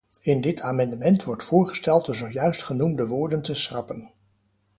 In dit amendement wordt voorgesteld de zojuist genoemde woorden te schrappen.